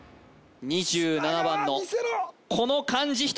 ２７番のこの漢字